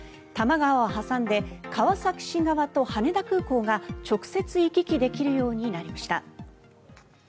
多摩川を挟んで川崎市側と羽田空港が直接行き来できるようになりました。